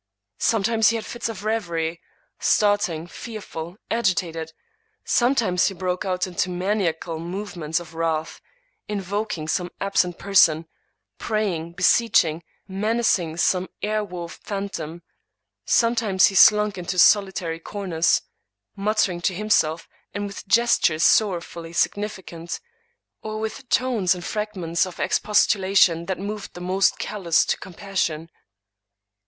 Sometimes he had fits of reverie, starting, fearful, agitated; sometimes he broke out into maniacal movements of wrath, invoking some absent per son, praying, beseeching, menacing some air wove phan tom; sometimes he slunk into solitary corners, muttering to himself, and with gestures sorrowfully significant, or with tones and fragments of expostulation that moved the most callous to compassion.